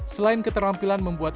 selain keterampilan membuat